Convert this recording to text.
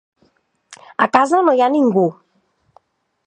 A casa no hi ha ningú.